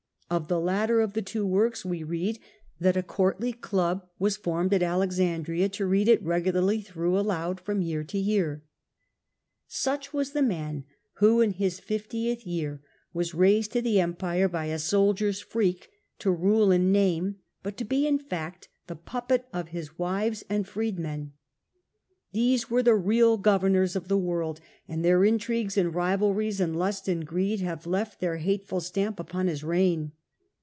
Of the latter of the two works we read that a courtly club was formed at Alexandria to read it regularl) through aloud from year to year. Such was the man who in his fiftieth year was raised to the Empire by a soldier's freak, to rule in name but to As Emperor puppet of his wives and freed he was ruled men. These were the real governors of the and^freed ^^ world, and their intrigues and rivalries and lust and greed have left their hateful stamp upon his reign.